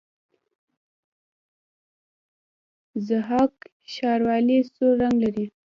ضحاک ښار ولې سور رنګ لري؟